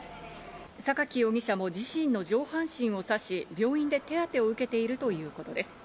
サカキ容疑者も自身の上半身を刺し、病院で手当を受けているということです。